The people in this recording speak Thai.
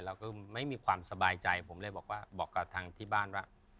เราก็ไม่มีความสบายใจผมเลยบอกว่าบอกกับทางที่บ้านว่า